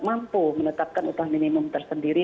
mampu menetapkan upah minimum tersendiri